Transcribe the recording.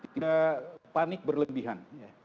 tidak panik berlebihan